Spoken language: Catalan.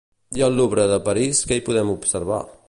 I al Louvre de París què hi podem observar?